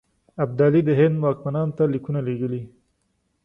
ابدالي د هند واکمنانو ته لیکونه لېږلي.